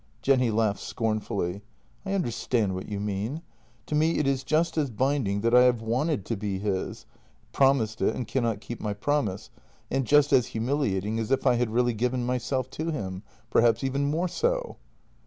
..." Jenny laughed scornfully: " I understand what you mean. To me it is just as binding that I have wanted to be his — promised it and cannot keep my promise — and just as humiliating as if I had really given myself to him — perhaps even more so."